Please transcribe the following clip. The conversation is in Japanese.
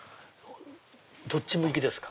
どっち向きですか？